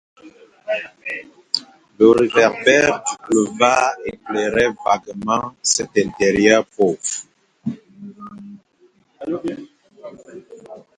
Le réverbère du boulevard éclairait vaguement cet intérieur pauvre.